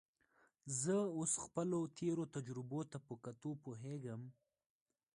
زه اوس خپلو تېرو تجربو ته په کتو پوهېږم.